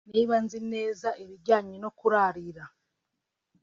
“Niba nzi neza ibijyanye no kurarira